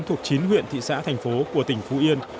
thuộc chín huyện thị xã thành phố của tỉnh phú yên